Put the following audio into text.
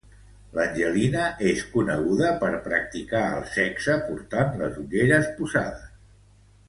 L'Angelina és coneguda per practicar el sexe portant les ulleres posades.